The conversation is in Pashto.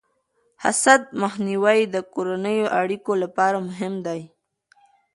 د حسد مخنیوی د کورنیو اړیکو لپاره مهم دی.